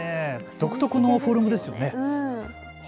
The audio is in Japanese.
独特のフォルムですね。